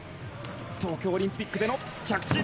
東京オリンピックでの着地。